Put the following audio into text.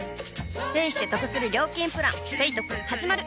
ペイしてトクする料金プラン「ペイトク」始まる！